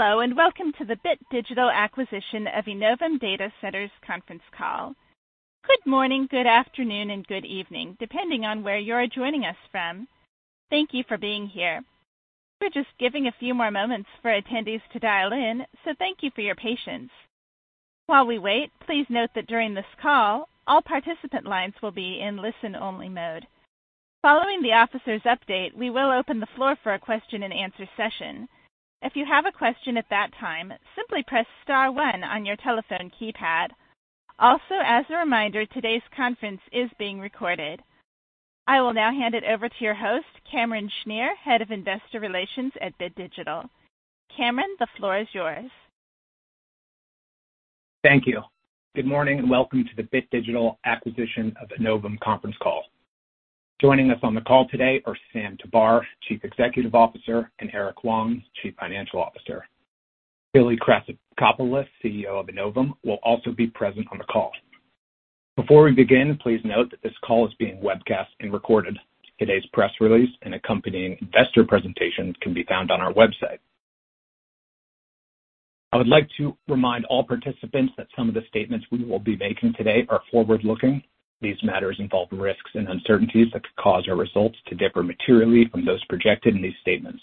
Hello, and welcome to the Bit Digital acquisition of Enovum Data Centers conference call. Good morning, good afternoon, and good evening, depending on where you're joining us from. Thank you for being here. We're just giving a few more moments for attendees to dial in, so thank you for your patience. While we wait, please note that during this call, all participant lines will be in listen-only mode. Following the officers' update, we will open the floor for a question-and-answer session. If you have a question at that time, simply press star one on your telephone keypad. Also, as a reminder, today's conference is being recorded. I will now hand it over to your host, Cameron Schnier, Head of Investor Relations at Bit Digital. Cameron, the floor is yours. Thank you. Good morning, and welcome to the Bit Digital acquisition of Enovum conference call. Joining us on the call today are Sam Tabar, Chief Executive Officer, and Erke Huang, Chief Financial Officer. Billy Krassakopoulos, CEO of Enovum, will also be present on the call. Before we begin, please note that this call is being webcast and recorded. Today's press release and accompanying investor presentations can be found on our website. I would like to remind all participants that some of the statements we will be making today are forward-looking. These matters involve risks and uncertainties that could cause our results to differ materially from those projected in these statements.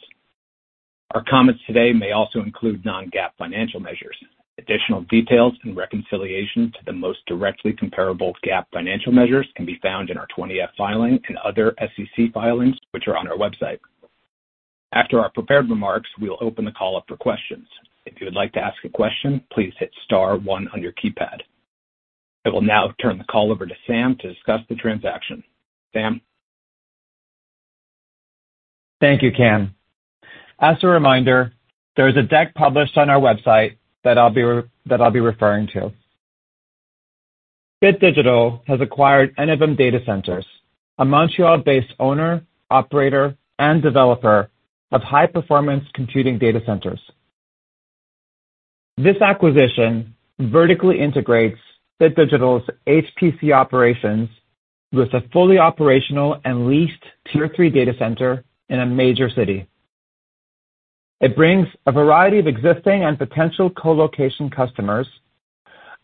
Our comments today may also include non-GAAP financial measures. Additional details and reconciliation to the most directly comparable GAAP financial measures can be found in our 20-F filing and other SEC filings, which are on our website. After our prepared remarks, we will open the call up for questions. If you would like to ask a question, please hit star one on your keypad. I will now turn the call over to Sam to discuss the transaction. Sam? Thank you, Cam. As a reminder, there is a deck published on our website that I'll be referring to. Bit Digital has acquired Enovum Data Centers, a Montreal-based owner, operator, and developer of high-performance computing data centers. This acquisition vertically integrates Bit Digital's HPC operations with a fully operational and leased Tier III data center in a major city. It brings a variety of existing and potential colocation customers,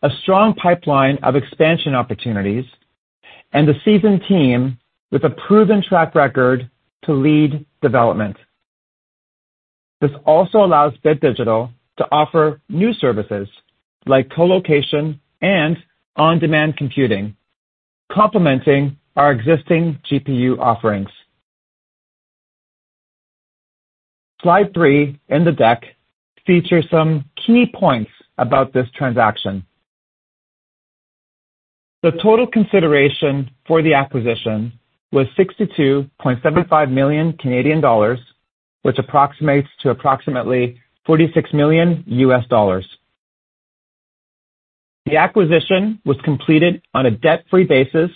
a strong pipeline of expansion opportunities, and a seasoned team with a proven track record to lead development. This also allows Bit Digital to offer new services like colocation and on-demand computing, complementing our existing GPU offerings. Slide three in the deck features some key points about this transaction. The total consideration for the acquisition was 62.75 million Canadian dollars, which approximates to approximately $46 million. The acquisition was completed on a debt-free basis,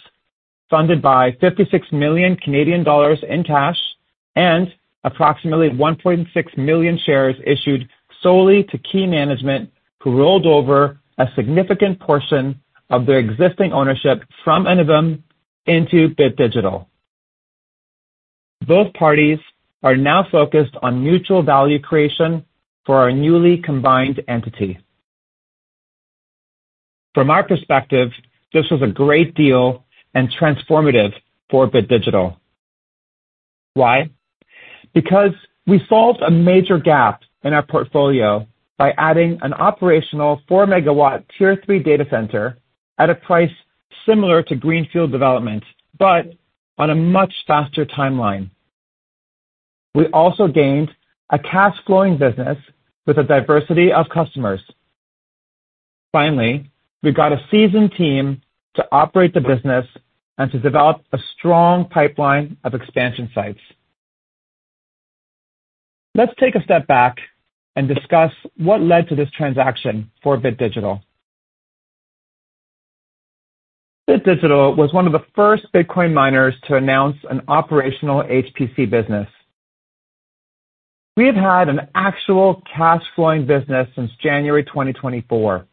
funded by 56 million Canadian dollars in cash and approximately 1.6 million shares issued solely to key management, who rolled over a significant portion of their existing ownership from Enovum into Bit Digital. Both parties are now focused on mutual value creation for our newly combined entity. From our perspective, this was a great deal and transformative for Bit Digital. Why? Because we solved a major gap in our portfolio by adding an operational 4 MW Tier III data center at a price similar to greenfield development, but on a much faster timeline. We also gained a cash-flowing business with a diversity of customers. Finally, we got a seasoned team to operate the business and to develop a strong pipeline of expansion sites. Let's take a step back and discuss what led to this transaction for Bit Digital. Bit Digital was one of the first Bitcoin miners to announce an operational HPC business. We have had an actual cash-flowing business since January 2024.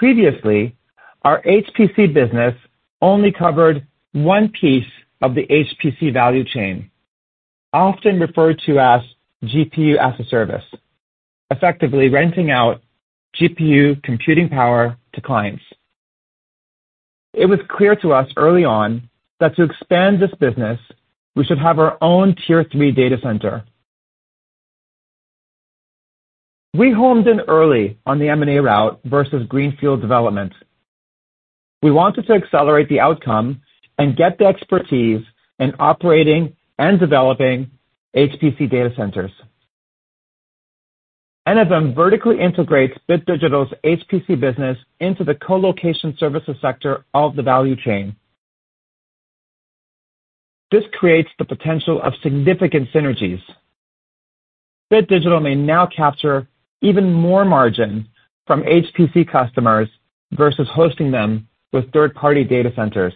Previously, our HPC business only covered one piece of the HPC value chain, often referred to as GPU as a Service, effectively renting out GPU computing power to clients. It was clear to us early on that to expand this business, we should have our own Tier III data center. We homed in early on the M&A route versus greenfield development. We wanted to accelerate the outcome and get the expertise in operating and developing HPC data centers. Enovum vertically integrates Bit Digital's HPC business into the colocation services sector of the value chain. This creates the potential of significant synergies. Bit Digital may now capture even more margin from HPC customers versus hosting them with third-party data centers.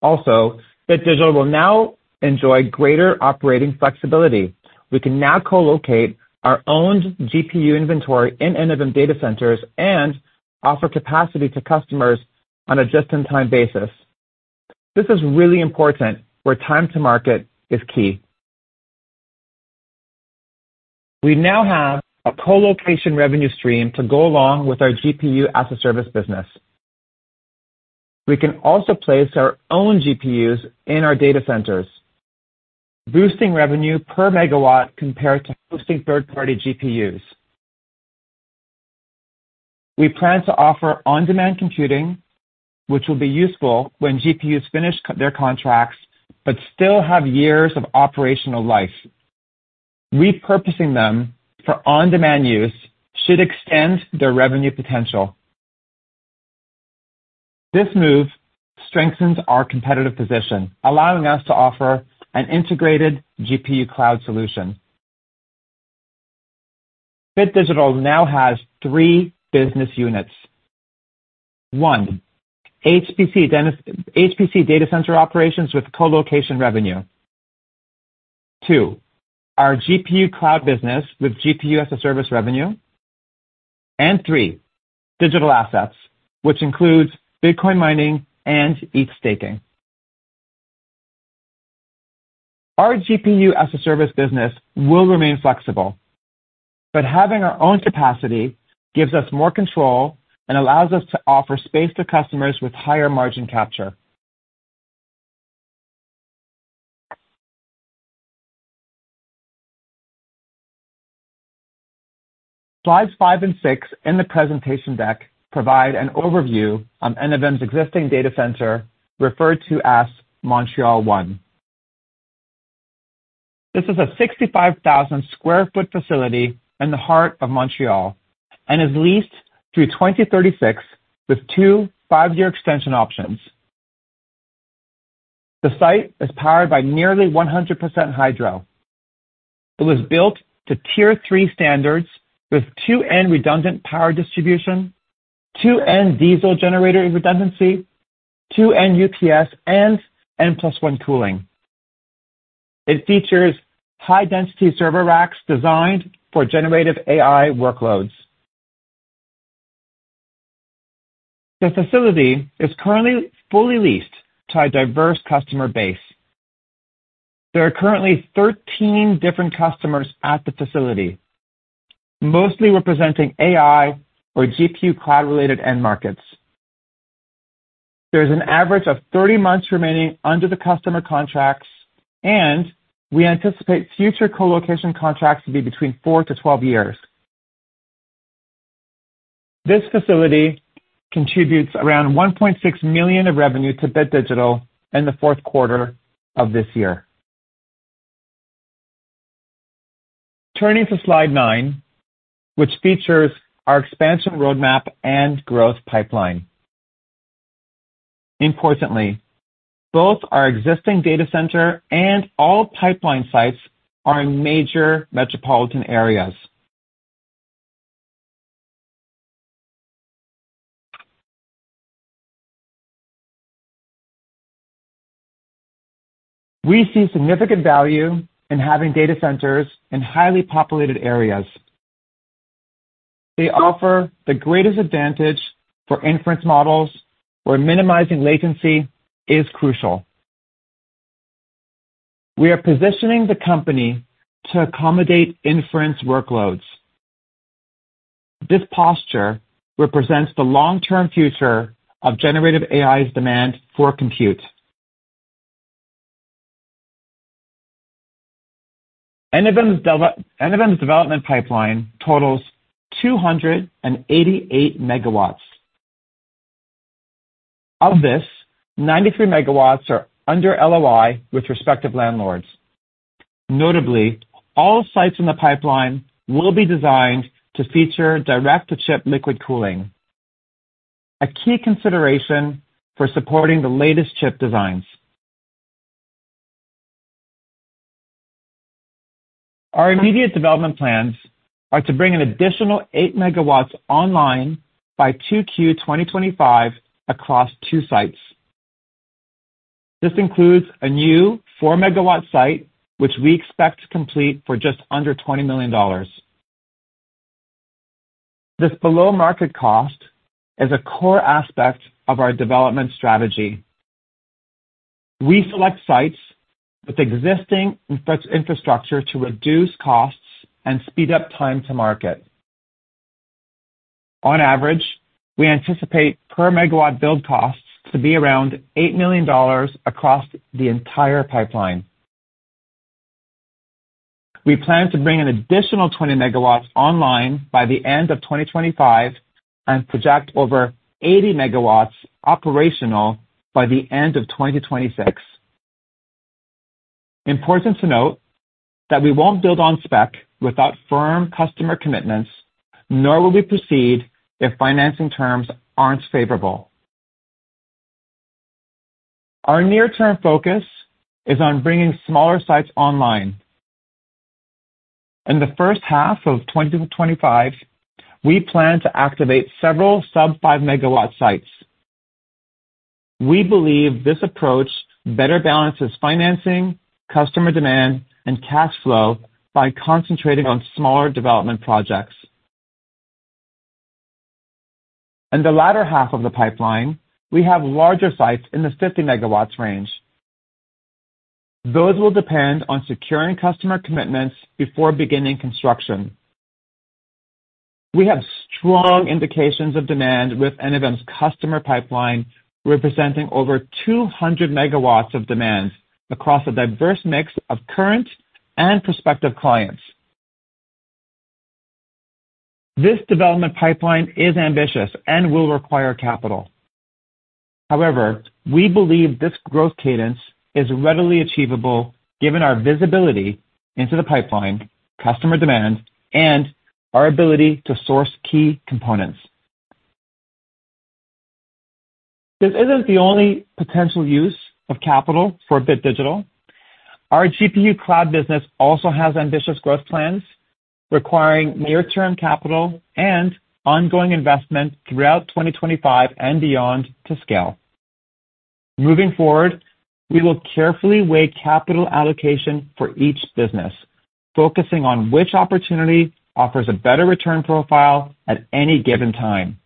Also, Bit Digital will now enjoy greater operating flexibility. We can now colocate our own GPU inventory in Enovum data centers and offer capacity to customers on a just-in-time basis. This is really important where time to market is key. We now have a co-location revenue stream to go along with our GPU as-a-service business. We can also place our own GPUs in our data centers, boosting revenue per megawatt compared to hosting third-party GPUs. We plan to offer on-demand computing, which will be useful when GPUs finish their contracts, but still have years of operational life. Repurposing them for on-demand use should extend their revenue potential. This move strengthens our competitive position, allowing us to offer an integrated GPU cloud solution. Bit Digital now has three business units. One, HPC, HPC data center operations with co-location revenue. Two, our GPU cloud business with GPU as-a-service revenue. Three, digital assets, which includes Bitcoin mining and ETH staking. Our GPU as a Service business will remain flexible, but having our own capacity gives us more control and allows us to offer space to customers with higher margin capture. Slides five and six in the presentation deck provide an overview on Enovum's existing data center, referred to as Montreal 1. This is a 65,000 sq ft facility in the heart of Montreal and is leased through 2036, with two 5-year extension options. The site is powered by nearly 100% hydro. It was built to Tier III standards with 2N redundant power distribution, 2N diesel generator redundancy, 2N UPS, and N+1 cooling. It features high-density server racks designed for generative AI workloads. The facility is currently fully leased to a diverse customer base. There are currently 13 different customers at the facility, mostly representing AI or GPU cloud-related end markets. There's an average of 30 months remaining under the customer contracts, and we anticipate future colocation contracts to be between 4-12 years. This facility contributes around $1.6 million of revenue to Bit Digital in the fourth quarter of this year. Turning to slide 9, which features our expansion roadmap and growth pipeline. Importantly, both our existing data center and all pipeline sites are in major metropolitan areas. We see significant value in having data centers in highly populated areas. They offer the greatest advantage for inference models, where minimizing latency is crucial. We are positioning the company to accommodate inference workloads. This posture represents the long-term future of generative AI's demand for compute. Enovum's development pipeline totals 288 MW. Of this, 93 MW are under LOI with respective landlords. Notably, all sites in the pipeline will be designed to feature direct-to-chip liquid cooling, a key consideration for supporting the latest chip designs. Our immediate development plans are to bring an additional 8 MW online by 2Q 2025 across two sites. This includes a new 4 MW site, which we expect to complete for just under $20 million. This below-market cost is a core aspect of our development strategy. We select sites with existing infrastructure to reduce costs and speed up time to market. On average, we anticipate per megawatt build costs to be around $8 million across the entire pipeline. We plan to bring an additional 20 MW online by the end of 2025 and project over 80 MW operational by the end of 2026. Important to note that we won't build on spec without firm customer commitments, nor will we proceed if financing terms aren't favorable. Our near-term focus is on bringing smaller sites online. In the first half of 2025, we plan to activate several sub 5 MW sites. We believe this approach better balances financing, customer demand, and cash flow by concentrating on smaller development projects. In the latter half of the pipeline, we have larger sites in the 50 MW range. Those will depend on securing customer commitments before beginning construction. We have strong indications of demand with Enovum's customer pipeline, representing over 200 MW of demand across a diverse mix of current and prospective clients. This development pipeline is ambitious and will require capital. However, we believe this growth cadence is readily achievable, given our visibility into the pipeline, customer demand, and our ability to source key components. This isn't the only potential use of capital for Bit Digital. Our GPU cloud business also has ambitious growth plans, requiring near-term capital and ongoing investment throughout 2025 and beyond to scale. Moving forward, we will carefully weigh capital allocation for each business, focusing on which opportunity offers a better return profile at any given time.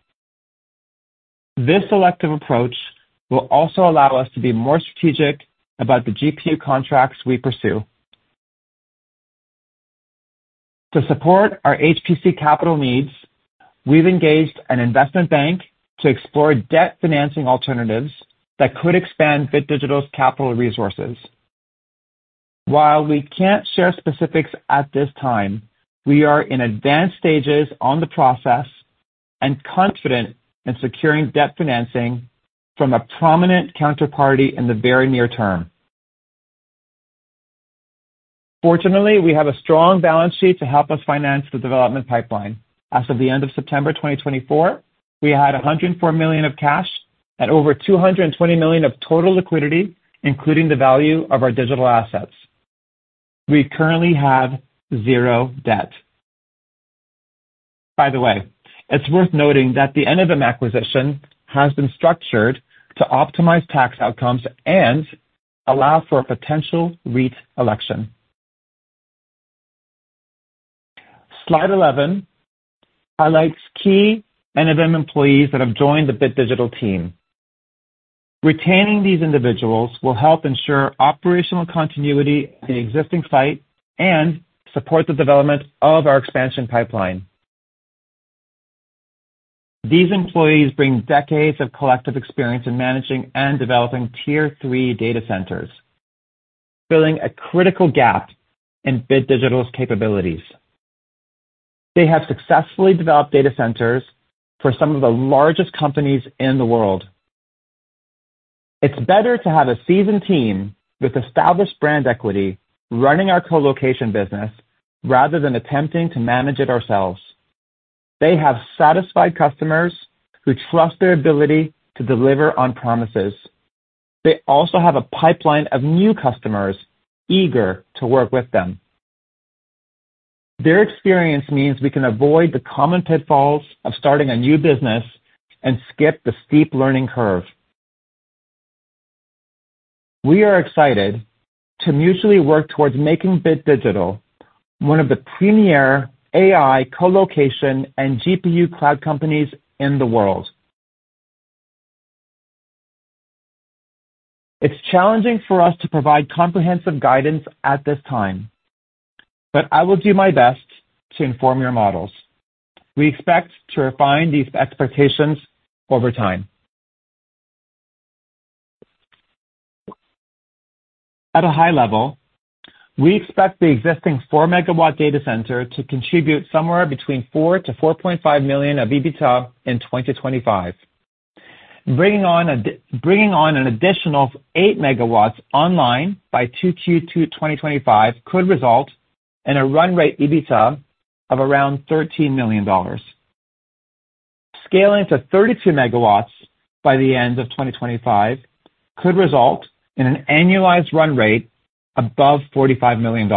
This selective approach will also allow us to be more strategic about the GPU contracts we pursue. To support our HPC capital needs, we've engaged an investment bank to explore debt financing alternatives that could expand Bit Digital's capital resources. While we can't share specifics at this time, we are in advanced stages on the process and confident in securing debt financing from a prominent counterparty in the very near term. Fortunately, we have a strong balance sheet to help us finance the development pipeline. As of the end of September 2024, we had $104 million of cash at over $220 million of total liquidity, including the value of our digital assets. We currently have zero debt. By the way, it's worth noting that the Enovum acquisition has been structured to optimize tax outcomes and allow for a potential REIT election. Slide 11 highlights key Enovum employees that have joined the Bit Digital team. Retaining these individuals will help ensure operational continuity at the existing site and support the development of our expansion pipeline. These employees bring decades of collective experience in managing and developing Tier III data centers, filling a critical gap in Bit Digital's capabilities. They have successfully developed data centers for some of the largest companies in the world. It's better to have a seasoned team with established brand equity running our colocation business rather than attempting to manage it ourselves. They have satisfied customers who trust their ability to deliver on promises. They also have a pipeline of new customers eager to work with them. Their experience means we can avoid the common pitfalls of starting a new business and skip the steep learning curve. We are excited to mutually work towards making Bit Digital one of the premier AI colocation and GPU cloud companies in the world. It's challenging for us to provide comprehensive guidance at this time, but I will do my best to inform your models. We expect to refine these expectations over time. At a high level, we expect the existing 4 MW data center to contribute somewhere between $4 million to $4.5 million of EBITDA in 2025. Bringing on an additional 8 MW online by 2Q 2025 could result in a run rate EBITDA of around $13 million. Scaling to 32 MW by the end of 2025 could result in an annualized run rate above $45 million.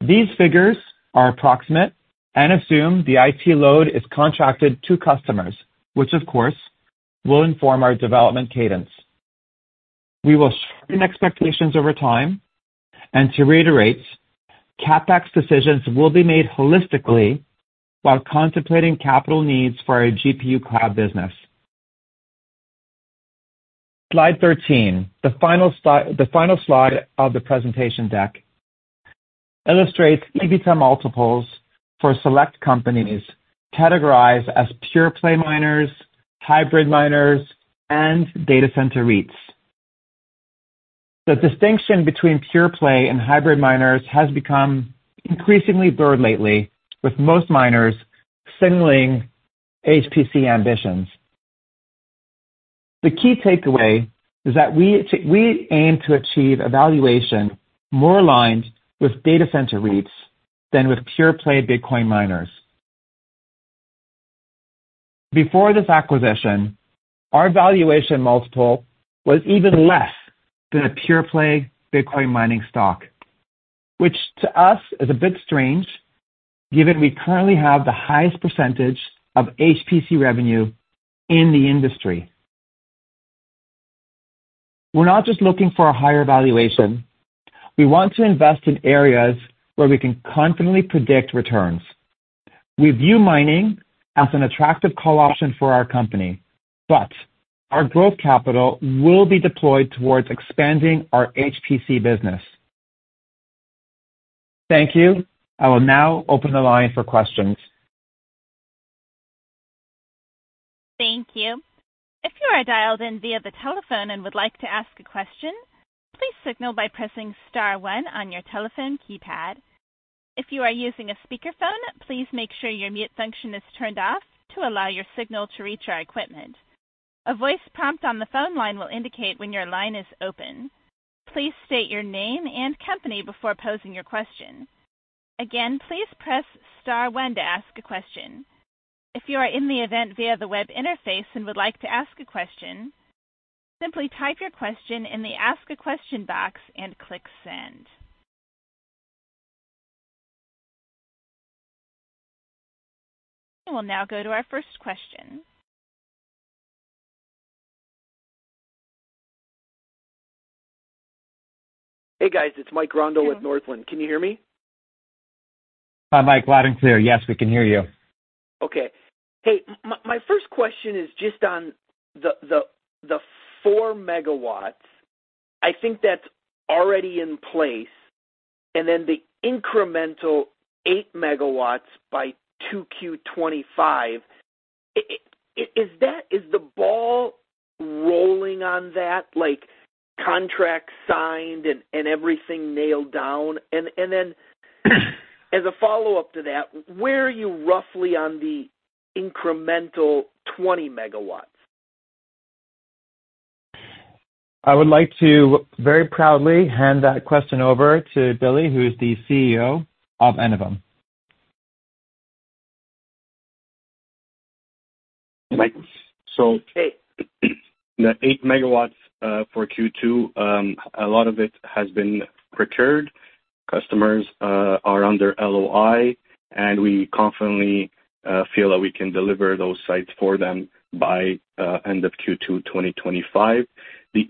These figures are approximate and assume the IT load is contracted to customers, which, of course, will inform our development cadence. We will sharpen expectations over time, and to reiterate, CapEx decisions will be made holistically while contemplating capital needs for our GPU cloud business. Slide 13, the final slide of the presentation deck, illustrates EBITDA multiples for select companies categorized as pure play miners, hybrid miners, and data center REITs. The distinction between pure play and hybrid miners has become increasingly blurred lately, with most miners signaling HPC ambitions. The key takeaway is that we aim to achieve a valuation more aligned with data center REITs than with pure play Bitcoin miners. Before this acquisition, our valuation multiple was even less than a pure play Bitcoin mining stock, which to us is a bit strange, given we currently have the highest percentage of HPC revenue in the industry. We're not just looking for a higher valuation. We want to invest in areas where we can confidently predict returns. We view mining as an attractive call option for our company, but our growth capital will be deployed towards expanding our HPC business. Thank you. I will now open the line for questions. Thank you. If you are dialed in via the telephone and would like to ask a question, please signal by pressing star one on your telephone keypad. If you are using a speakerphone, please make sure your mute function is turned off to allow your signal to reach our equipment. A voice prompt on the phone line will indicate when your line is open. Please state your name and company before posing your question. Again, please press star one to ask a question. If you are in the event via the web interface and would like to ask a question, simply type your question in the Ask a Question box and click Send. We'll now go to our first question. Hey, guys, it's Mike Grondahl with Northland. Can you hear me? Hi, Mike. Loud and clear. Yes, we can hear you. Okay. Hey, my first question is just on the four MW. I think that's already in place, and then the incremental 8 MW by 2Q 2025. Is the ball rolling on that, like, contract signed and everything nailed down? And then, as a follow-up to that, where are you roughly on the incremental 20 MW? I would like to very proudly hand that question over to Billy, who is the CEO of Enovum. Mike. So. Hey. The 8 MW for Q2, a lot of it has been procured. Customers are under LOI, and we confidently feel that we can deliver those sites for them by end of Q2 2025. The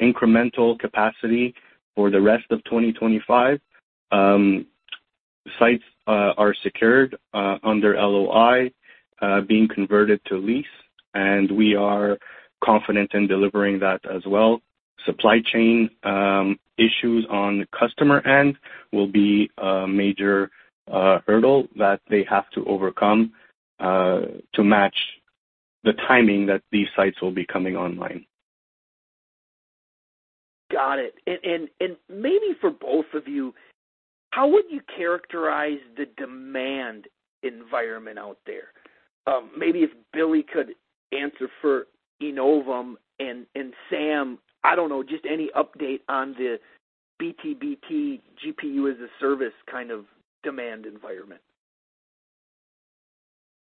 incremental capacity for the rest of 2025, sites are secured under LOI, being converted to lease, and we are confident in delivering that as well. Supply chain issues on the customer end will be a major hurdle that they have to overcome to match the timing that these sites will be coming online. Got it. Maybe for both of you, how would you characterize the demand environment out there? Maybe if Billy could answer for Enovum, and Sam, I don't know, just any update on the BTBT GPU as a Service kind of demand environment.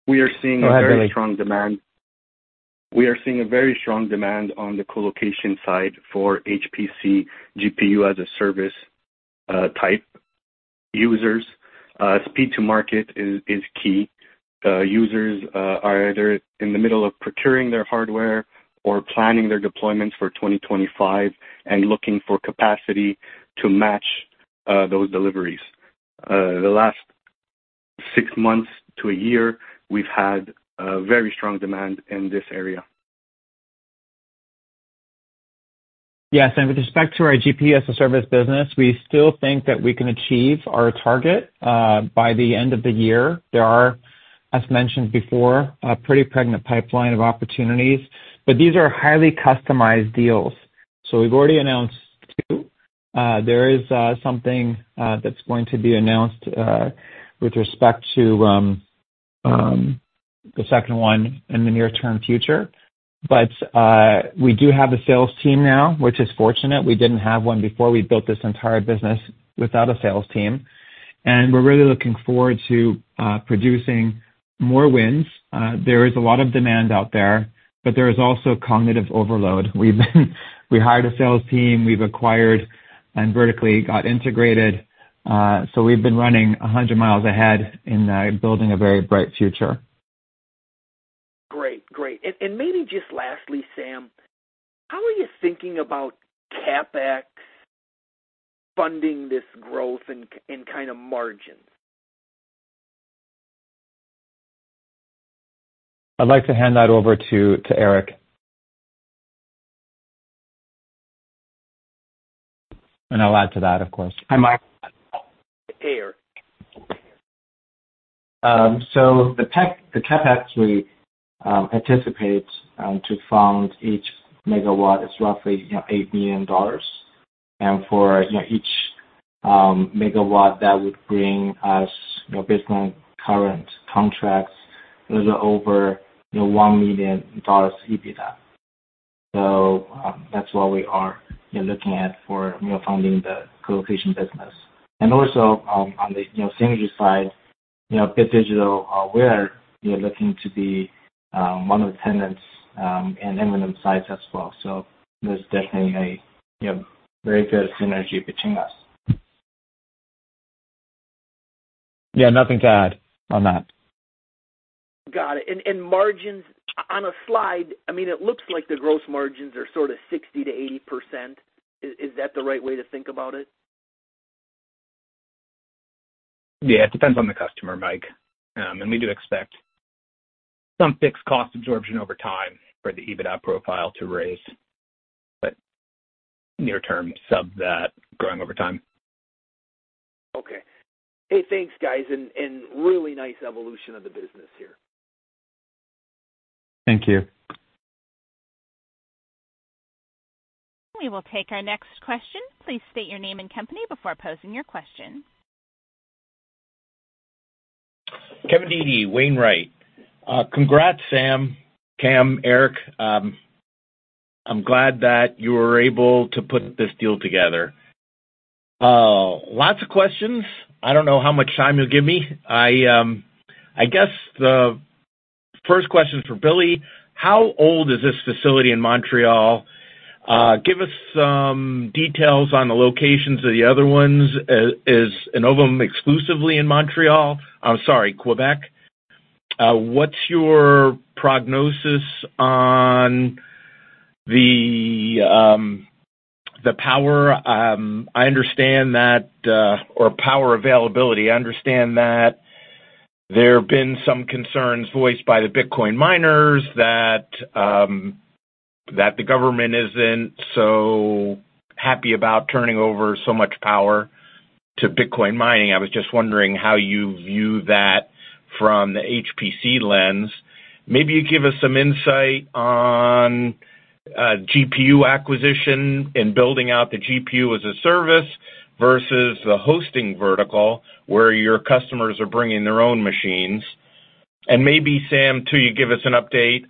We are seeing a very strong demand. We are seeing a very strong demand on the colocation side for HPC GPU as a Service, type users. Speed to market is key. Users are either in the middle of procuring their hardware or planning their deployments for 2025 and looking for capacity to match those deliveries. The last six months to a year, we've had a very strong demand in this area. Yes, and with respect to our GPU as a Service business, we still think that we can achieve our target by the end of the year. There are, as mentioned before, a pretty pregnant pipeline of opportunities, but these are highly customized deals. So we've already announced two. There is something that's going to be announced with respect to the second one in the near-term future. But we do have a sales team now, which is fortunate. We didn't have one before. We built this entire business without a sales team, and we're really looking forward to producing more wins. There is a lot of demand out there, but there is also cognitive overload. We've hired a sales team we've acquired and vertically integrated, so we've been running a hundred miles ahead in building a very bright future. Great. Great. And maybe just lastly, Sam, how are you thinking about CapEx funding this growth and kind of margins? I'd like to hand that over to Erke. And I'll add to that, of course. Hi, Mike. Erke. So the tech, the CapEx we anticipate to fund each megawatt is roughly, you know, $8 million. And for, you know, each megawatt, that would bring us, you know, based on current contracts, a little over, you know, $1 million EBITDA. So, that's what we are, you know, looking at for, you know, funding the colocation business. And also, on the, you know, synergy side, you know, Bit Digital, we're, you know, looking to be, one of the tenants, in Enovum sites as well. So there's definitely a, you know, very good synergy between us. Yeah, nothing to add on that. Got it. Margins, on a slide, I mean, it looks like the gross margins are sort of 60%-80%. Is that the right way to think about it? Yeah, it depends on the customer, Mike, and we do expect some fixed cost absorption over time for the EBITDA profile to raise, but near term, such that growing over time. Okay. Hey, thanks, guys, and really nice evolution of the business here. Thank you. We will take our next question. Please state your name and company before posing your question. Kevin Dede, Wainwright. Congrats, Sam, Cam, Erke. I'm glad that you were able to put this deal together. Lots of questions. I don't know how much time you'll give me. I guess the first question is for Billy: How old is this facility in Montreal? Give us some details on the locations of the other ones. Is Enovum exclusively in Montreal? I'm sorry, Quebec. What's your prognosis on the power? Or power availability, I understand that there have been some concerns voiced by the Bitcoin miners that the government isn't so happy about turning over so much power to Bitcoin mining. I was just wondering how you view that from the HPC lens. Maybe you give us some insight on GPU acquisition and building out the GPU as a Service versus the hosting vertical, where your customers are bringing their own machines. And maybe, Sam, too, you give us an update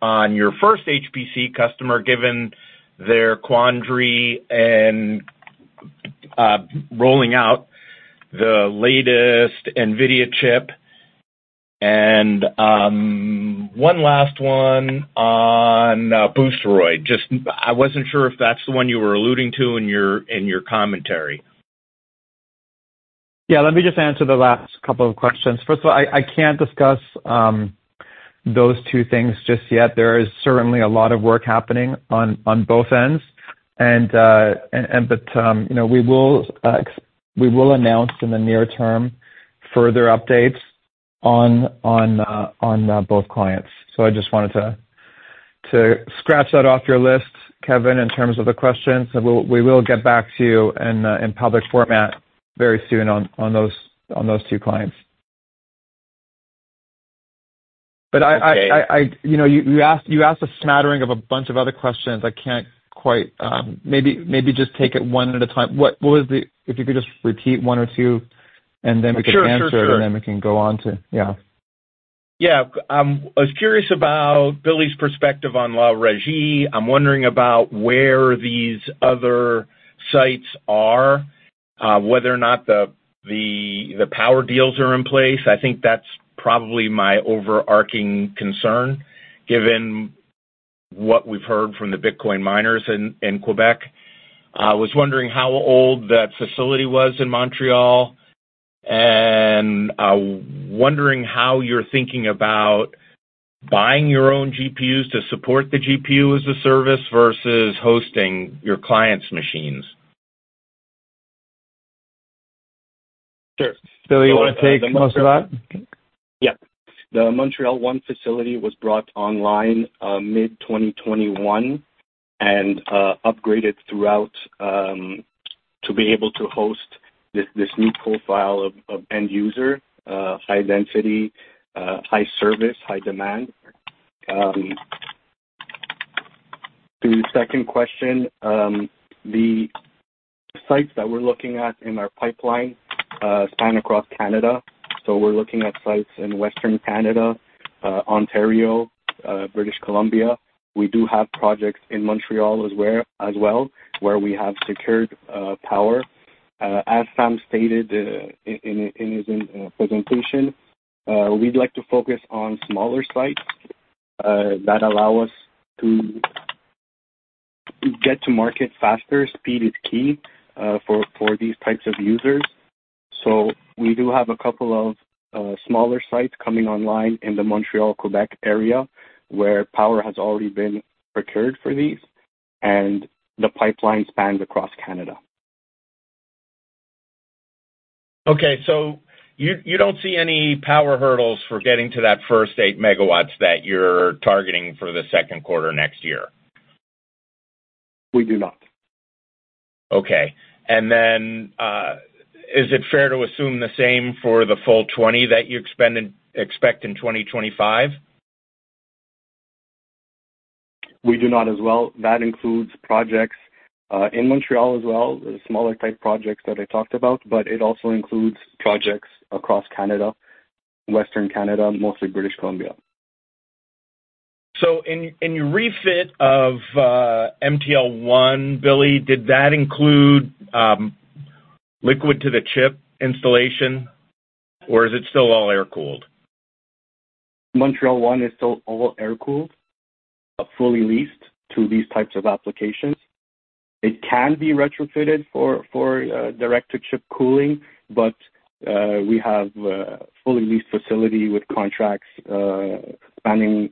on your first HPC customer, given their quandary and rolling out the latest NVIDIA chip. And one last one on Boosteroid. Just I wasn't sure if that's the one you were alluding to in your commentary. Yeah, let me just answer the last couple of questions. First of all, I can't discuss those two things just yet. There is certainly a lot of work happening on both ends. And but, you know, we will announce in the near term further updates on both clients. So I just wanted to scratch that off your list, Kevin, in terms of the questions, and we'll get back to you in public format very soon on those two clients. But you know, you asked a smattering of a bunch of other questions. I can't quite... Maybe just take it one at a time. If you could just repeat one or two, and then we can answer. Sure, sure, sure. And then we can go on to... Yeah. Yeah. I was curious about Billy's perspective on La Régie. I'm wondering about where these other sites are, whether or not the power deals are in place. I think that's probably my overarching concern, given what we've heard from the Bitcoin miners in Quebec. I was wondering how old that facility was in Montreal, and wondering how you're thinking about buying your own GPUs to support the GPU as a Service versus hosting your clients' machines. Sure. Billy, you want to take most of that? Yeah. The Montreal 1 facility was brought online mid-2021 and upgraded throughout to be able to host this new profile of end user high density high service high demand. To the second question, the sites that we're looking at in our pipeline span across Canada, so we're looking at sites in Western Canada, Ontario, British Columbia. We do have projects in Montreal as well, where we have secured power. As Sam stated in his presentation, we'd like to focus on smaller sites that allow us to get to market faster. Speed is key for these types of users. We do have a couple of smaller sites coming online in the Montreal-Quebec area, where power has already been procured for these, and the pipeline spans across Canada. Okay, so you don't see any power hurdles for getting to that first 8 MW that you're targeting for the second quarter next year? We do not. Okay. And then, is it fair to assume the same for the full 2020 that you expect in 2025? We do not as well. That includes projects, in Montreal as well, the smaller type projects that I talked about, but it also includes projects across Canada, Western Canada, mostly British Columbia. In your refit of MTL1, Billy, did that include liquid to the chip installation, or is it still all air-cooled? Montreal 1 is still all air-cooled, fully leased to these types of applications. It can be retrofitted for direct-to-chip cooling, but we have a fully leased facility with contracts spanning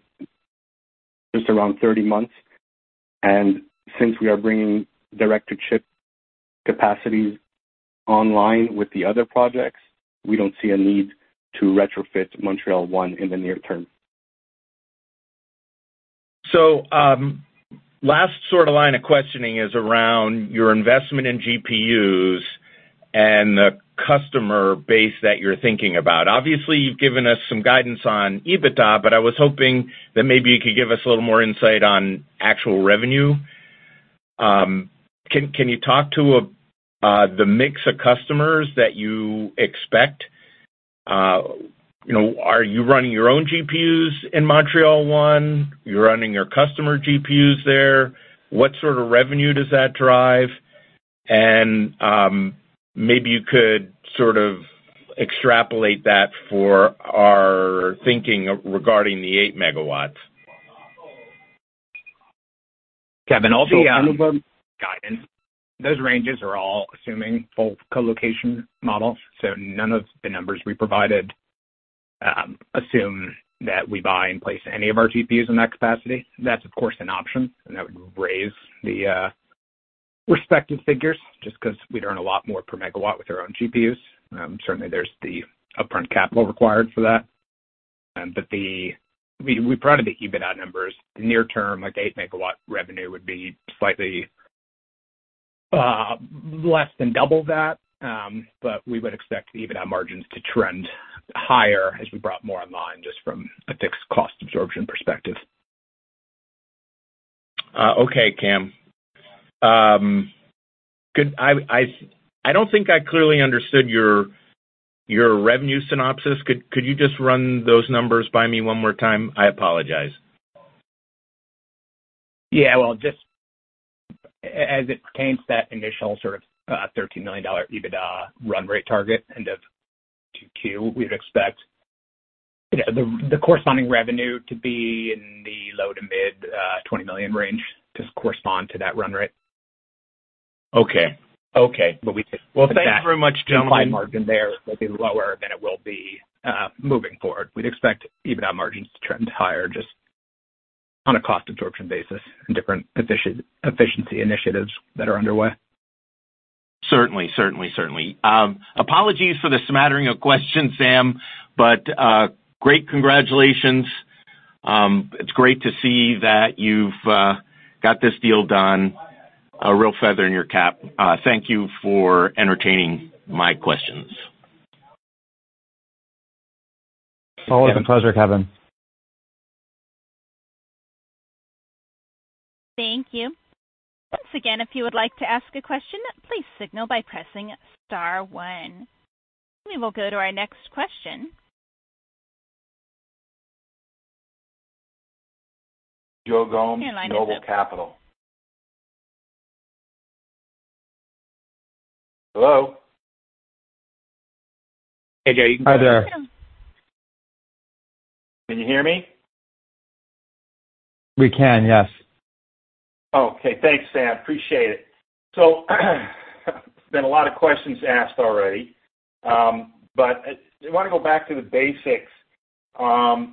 just around thirty months. Since we are bringing direct-to-chip capacity online with the other projects, we don't see a need to retrofit Montreal 1 in the near term. So, last sort of line of questioning is around your investment in GPUs and the customer base that you're thinking about. Obviously, you've given us some guidance on EBITDA, but I was hoping that maybe you could give us a little more insight on actual revenue. Can you talk to the mix of customers that you expect? You know, are you running your own GPUs in Montreal 1? You're running your customer GPUs there? What sort of revenue does that drive? And, maybe you could sort of extrapolate that for our thinking regarding the 8 MW. Kevin, I'll do guidance. Those ranges are all assuming full colocation models, so none of the numbers we provided assume that we buy and place any of our GPUs in that capacity. That's, of course, an option, and that would raise the respective figures, just because we'd earn a lot more per megawatt with our own GPUs. Certainly there's the upfront capital required for that. But we provided the EBITDA numbers. Near term, like, eight megawatt revenue would be slightly less than double that. But we would expect the EBITDA margins to trend higher as we brought more online, just from a fixed cost absorption perspective. Okay, Cam. I don't think I clearly understood your revenue synopsis. Could you just run those numbers by me one more time? I apologize. Yeah, well, just as it pertains to that initial sort of $13 million EBITDA run rate target, end of 2Q, we'd expect, you know, the corresponding revenue to be in the low to mid-$20 million range, to correspond to that run rate. Okay. Okay. But we- Thank you very much, gentlemen. Margin there will be lower than it will be, moving forward. We'd expect EBITDA margins to trend higher, just on a cost absorption basis and different efficiency initiatives that are underway. Certainly, certainly, certainly. Apologies for the smattering of questions, Sam, but great congratulations. It's great to see that you've got this deal done. A real feather in your cap. Thank you for entertaining my questions. Always a pleasure, Kevin. Thank you. Once again, if you would like to ask a question, please signal by pressing star one. We will go to our next question. Joe Gomes, Noble Capital. Hello? Hey, Joe. Hi there. Can you hear me? We can, yes. Okay, thanks, Sam. Appreciate it. So there's been a lot of questions asked already, but I want to go back to the basics. You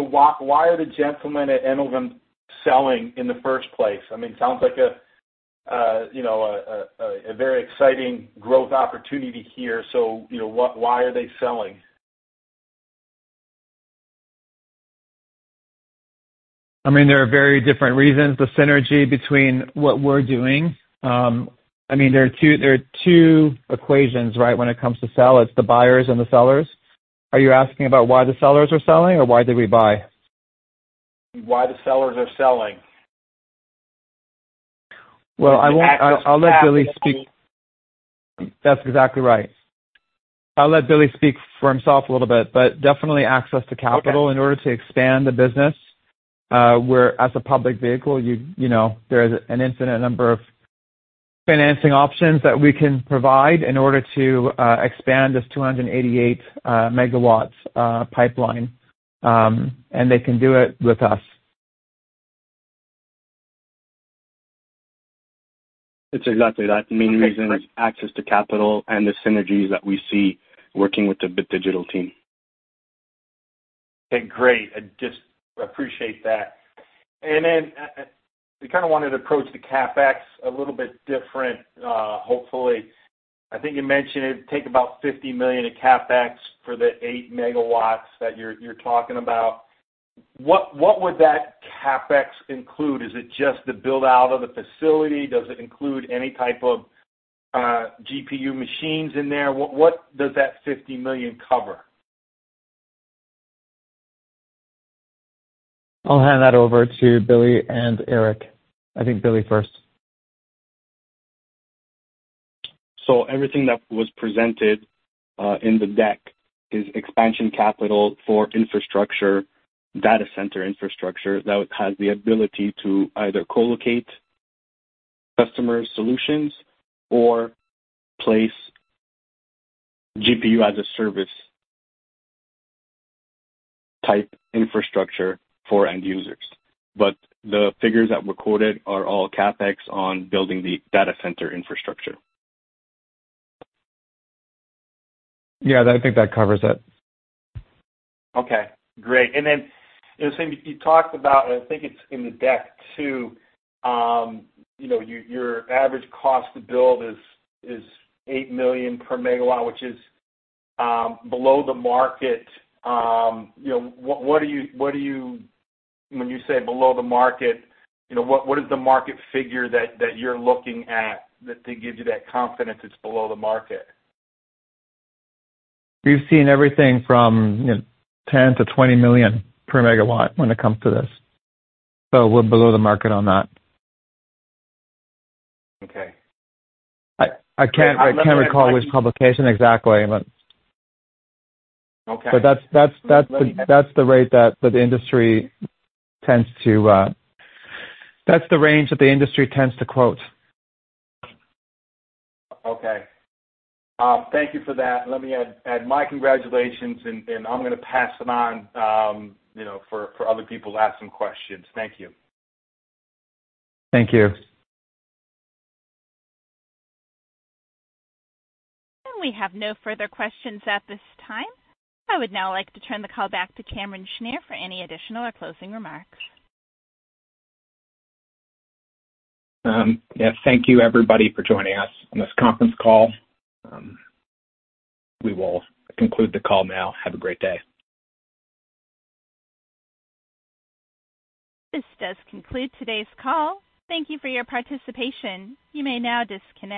know, why are the gentlemen at Enovum selling in the first place? I mean, it sounds like a very exciting growth opportunity here. So, you know, why are they selling? I mean, there are very different reasons. The synergy between what we're doing, I mean, there are two equations, right? When it comes to sellers, the buyers and the sellers. Are you asking about why the sellers are selling or why did we buy? Why the sellers are selling? Well, I won't. Access to capital. I'll let Billy speak. That's exactly right. I'll let Billy speak for himself a little bit, but definitely access to capital. Okay. In order to expand the business, whereas a public vehicle, you, you know, there is an infinite number of financing options that we can provide in order to expand this 288 MW pipeline. And they can do it with us. It's exactly that. Okay, great. The main reason is access to capital and the synergies that we see working with the Bit Digital team. Okay, great. I just appreciate that. And then, we kind of wanted to approach the CapEx a little bit different, hopefully. I think you mentioned it'd take about $50 million in CapEx for the 8 MW that you're talking about. What would that CapEx include? Is it just the build-out of the facility? Does it include any type of GPU machines in there? What does that $50 million cover? I'll hand that over to Billy and Erke. I think Billy first. So everything that was presented in the deck is expansion capital for infrastructure, data center infrastructure, that has the ability to either collocate customer solutions or place GPU as a Service type infrastructure for end users. But the figures that were quoted are all CapEx on building the data center infrastructure. Yeah, I think that covers it. Okay, great. And then, you know, Sam, you talked about, I think it's in the deck too, you know, your, your average cost to build is, is eight million per megawatt, which is, below the market. You know, what, what do you, what do you - when you say below the market, you know, what, what is the market figure that, that you're looking at that to give you that confidence it's below the market? We've seen everything from, you know, $10 million-$20 million per megawatt when it comes to this, so we're below the market on that. Okay. I can't recall which publication exactly, but- Okay. But that's the rate that the industry tends to, that's the range that the industry tends to quote. Okay. Thank you for that. Let me add my congratulations, and I'm gonna pass it on, you know, for other people to ask some questions. Thank you. Thank you. We have no further questions at this time. I would now like to turn the call back to Cameron Schnier for any additional or closing remarks. Yeah. Thank you, everybody, for joining us on this conference call. We will conclude the call now. Have a great day. This does conclude today's call. Thank you for your participation. You may now disconnect.